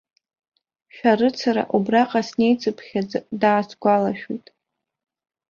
Шәарыцара убраҟа снеицыԥхьаӡа даасгәалашәоит.